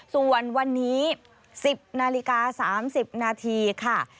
ส่วนวันนี้๑๐นาฬิกา๓๐นาทีค่ะ